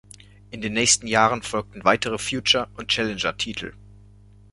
In den nächsten Jahren folgten weitere Future- und Challenger-Titel.